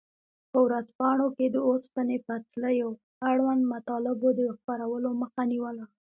په ورځپاڼو کې د اوسپنې پټلیو اړوند مطالبو د خپرولو مخه نیوله.